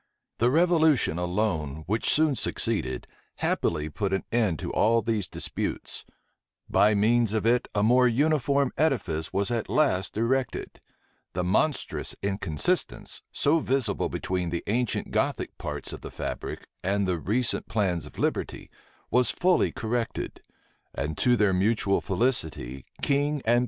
The revolution alone, which soon succeeded, happily put an end to all these disputes: by means of it, a more uniform edifice was at last erected: the monstrous inconsistence, so visible between the ancient Gothic parts of the fabric and the recent plans of liberty, was fully corrected; and, to their mutual felicity, King and people were finally taught to know their proper boundaries.